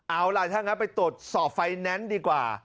เอาล่ะถ้างั้นไปตรวจสอบไฟแนนซ์ดีกว่า